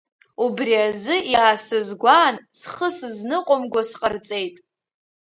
Убри азы иаасызгәаан, схы сызныҟәымго сҟарҵеит.